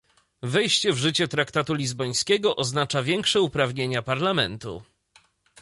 Wejście w życie traktatu lizbońskiego oznacza większe uprawnienia Parlamentu